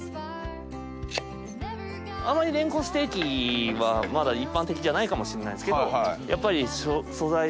あまりレンコンステーキはまだ一般的じゃないかもしれないですけどやっぱり。